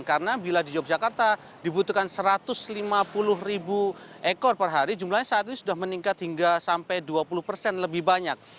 karena bila di yogyakarta dibutuhkan satu ratus lima puluh ribu ekor per hari jumlahnya saat ini sudah meningkat hingga sampai dua puluh persen lebih banyak